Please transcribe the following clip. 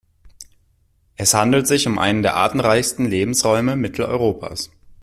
Es handelt sich um einen der artenreichsten Lebensräume Mitteleuropas.